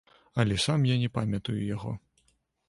Але сам я не памятаю яго.